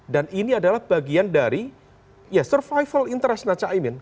dan ini adalah bagian dari survival interest caimin